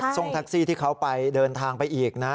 ส่งแท็กซี่ที่เขาไปเดินทางไปอีกนะ